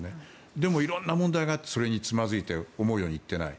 でも色んなものがあってそれにつまづいて思うように行っていない。